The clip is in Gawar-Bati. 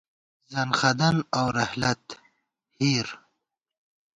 زنخدَن اؤ رحلت(ہِیر)